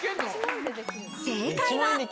正解は。